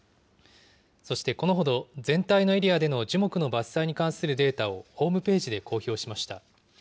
そしてこのほど、全体のエリアでの樹木の伐採に関するデータをホームページで公表しました。